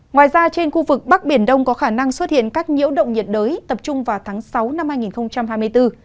ngoài ra trên khu vực bắc biển đông có khả năng xuất hiện các nhiễu động nhiệt đới tập trung vào tháng sáu năm hai nghìn hai mươi bốn